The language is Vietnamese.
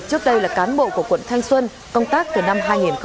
trước đây là cán bộ của quận thanh xuân công tác từ năm hai nghìn một mươi